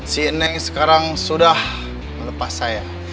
si eneng sekarang sudah melepas saya